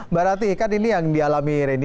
mbak rati kan ini yang dialami reni